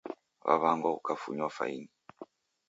W'aw'angwa ukafunywa faini